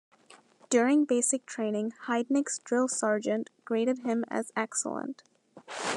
During basic training, Heidnik's drill sergeant graded him as "excellent".